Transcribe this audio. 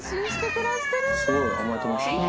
すごい甘えてますね。